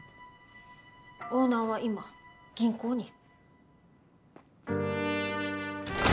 オーナーは今銀行に。